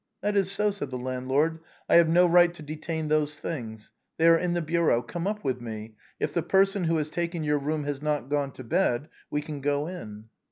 " That is so," said the landlord. " I have no right to detain those things. They are in the bureau. Come up with me; if the person who has taken your room has not gone to bed, we can go in."